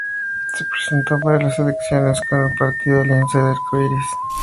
Se presentó para las elecciones con el partido Alianza del Arco Iris.